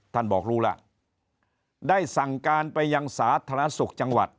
ท่านบอกรู้ล่ะได้สั่งการไปยังสาธารณสุขจังหวัด